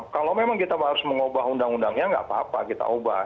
kalau memang kita harus mengubah undang undangnya nggak apa apa kita ubah